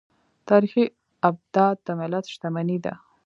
تاریخي ابدات د ملت شتمني ده.